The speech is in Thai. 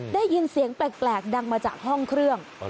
ได้ยินเสียงแปลกดังมาจากห้องเครื่อง